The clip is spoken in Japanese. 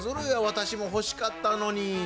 私も欲しかったのに。